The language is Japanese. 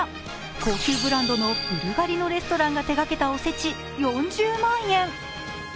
高級ブランドのブルガリのレストランが手がけたおせち、４０万円。